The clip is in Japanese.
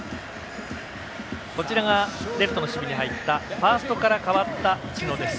こちらが、レフトの守備に入ったファーストから代わった知野です。